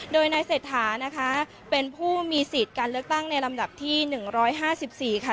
โดยนายเศรษฐานะคะเป็นผู้มีสิทธิ์การเลือกตั้งในลำดับที่๑๕๔ค่ะ